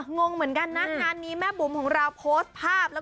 งงเหมือนกันนะงานนี้แม่บุ๋มของเราโพสต์ภาพแล้ว